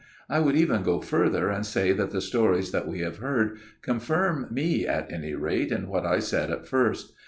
" I would even go further, and say that the stories that we have heard confirm me, at any rate, in what I said at first.